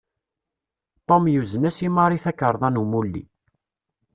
Tom yuzen-as i Mary takarḍa n umulli.